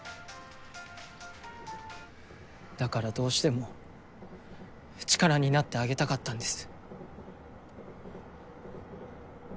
だからどうしても力になってあげたかったんです。